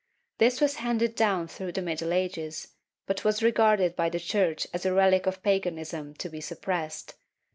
This was handed down through the middle ages, but was regarded by the Church as a relic of paganism to be suppressed.